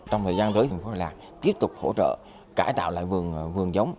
trong thời gian tới thành phố đà lạt tiếp tục hỗ trợ cải tạo lại vườn giống